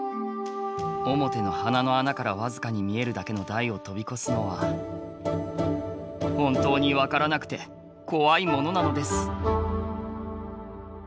面の鼻の穴からわずかに見えるだけの台を飛び越すのは本当にわからなくて恐いものなのです